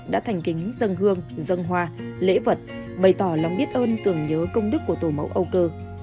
đã thành kính dân hương dân hoa lễ vật bày tỏ lòng biết ơn tưởng nhớ công đức của tổ mẫu âu cơ